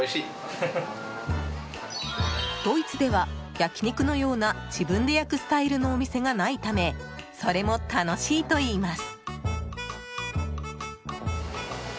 ドイツでは、焼き肉のような自分で焼くスタイルのお店がないためそれも楽しいといいます。